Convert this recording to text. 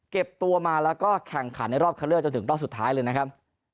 เก็บตัวมาแล้วก็แข่งขันในรอบคันเลือกจนถึงรอบสุดท้ายเลยนะครับ